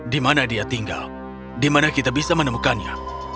di mana dia tinggal di mana kita bisa menemukannya